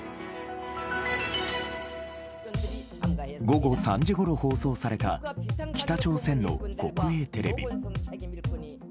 午後３時ごろ放送された北朝鮮の国営テレビ。